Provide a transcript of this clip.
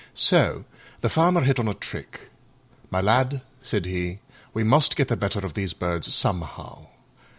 So the Farmer hit on a trick. "My lad," said he, "we must get the better of these birds somehow.